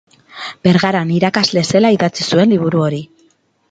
Bergaran irakasle zela idatzi zuen liburu hori.